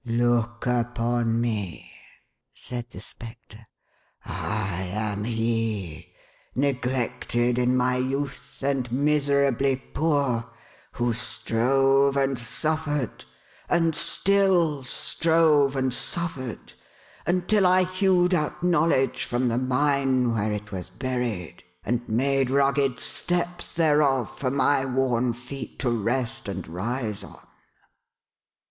" Look upon me !" said the Spectre. " I am he, neglected in my youth, and miserably poor, who strove and suffered, and still strove and suffered, until I hewed out knowledge from the mine where it was buried, and made rugged steps thereof, for my worn feet to rest and rise on."